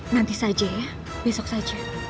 nanti saja ya besok saja